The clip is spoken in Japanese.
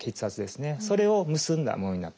それを結んだものになってきます。